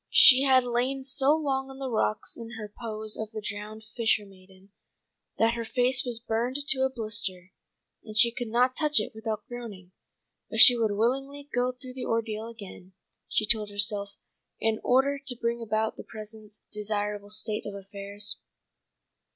She had lain so long on the rocks in her pose of the drowned fishermaiden, that her face was burned to a blister, and she could not touch it without groaning. But she would willingly go through the ordeal again, she told herself, in order to bring about the present desirable state of affairs.